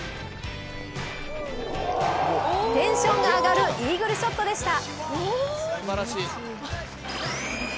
テンションが上がるイーグルショットでした。